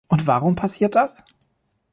Und warum passiert das?